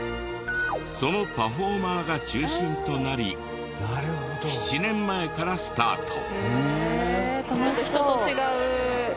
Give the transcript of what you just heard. そのパフォーマーが中心となり７年前からスタート。